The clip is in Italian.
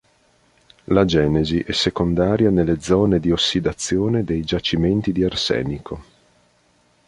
La genesi è secondaria nelle zone di ossidazione dei giacimenti di arsenico.